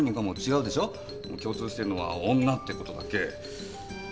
共通してるのは女ってことだけ。